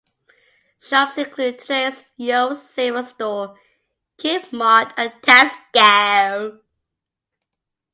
Shops include Today's, Yos Saver Store, Kip-Mart and Tesco.